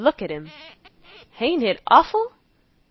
look at him! Hain't hit awful!"